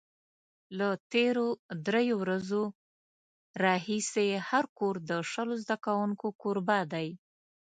له تېرو درېیو ورځو راهیسې هر کور د شلو زده کوونکو کوربه دی.